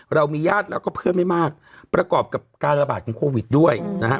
เรามีญาติแล้วก็เพื่อนไม่มากประกอบกับการระบาดของโควิดด้วยนะฮะ